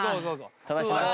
飛ばします。